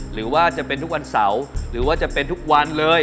หรือว่าจะเป็นทุกวันเสาร์หรือว่าจะเป็นทุกวันเลย